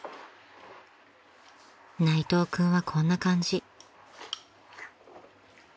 ［内藤君はこんな感じ］